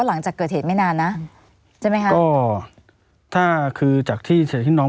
หลังจากเกิดเหตุไม่นานนะใช่ไหมคะก็ถ้าคือจากที่น้อง